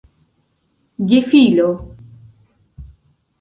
gefilo